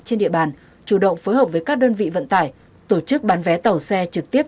trên địa bàn chủ động phối hợp với các đơn vị vận tải tổ chức bán vé tàu xe trực tiếp